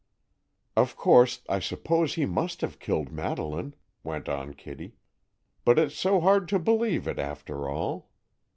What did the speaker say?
"Of course I suppose he must have killed Madeleine," went on Kitty, "but it's so hard to believe it, after all.